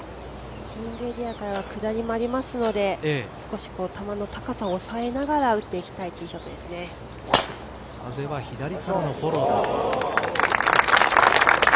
ティーイングエリアからは下りもありますので少し球の高さを抑えながら打っていきたい風は左からのフォローです。